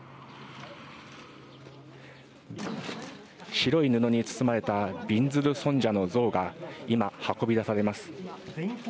白い布に包まれたびんずる尊者の像が今、運び出されます。